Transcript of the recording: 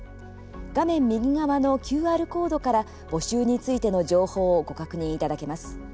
画面右側のＱＲコードから募集についての情報をご確認いただけます。